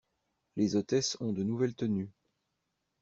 Les hôtesses ont de nouvelles tenues.